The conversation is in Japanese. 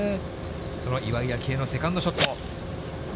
その岩井明愛のセカンドショット。